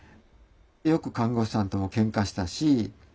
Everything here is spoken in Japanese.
よく看護師さんともけんかしたし。